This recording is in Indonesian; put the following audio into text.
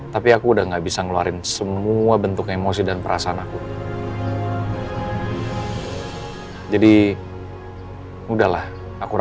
tapi aku udah nggak bisa ngeluarin semua bentuk emosi dan perasaan aku